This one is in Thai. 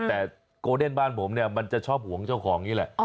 แต่โกเดนบ้านผมเนี่ยมันจะชอบห่วงเจ้าของนี่แหละ